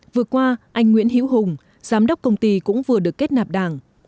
vừa qua anh nguyễn hiễu hùng giám đốc công ty cũng vừa được kết nạp đảng